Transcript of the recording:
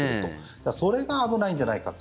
だから、それが危ないんじゃないかって。